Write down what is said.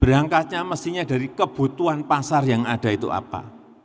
berangkatnya mestinya dari kebutuhan pasar yang ada itu apa